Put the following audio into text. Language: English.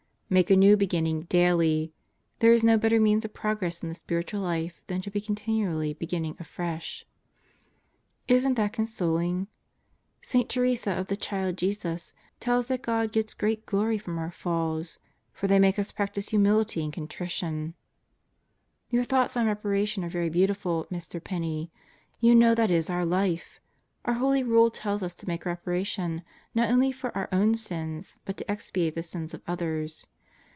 Make a new beginning daily. There is no better means of progress in the spiritual life than to be continually beginning afresh." Isn't that consoling? St. Therese of the Child Jesus tells that God gets great glory from our falls; for they make us practice humility and contrition. Deeper Depths and Broader Horizons 117 Your thoughts on reparation are very beautiful, Mr. Penney. You know that is our life. Our Holy Rule tells us to make reparation not only for our own sins, but to expiate the sins of others.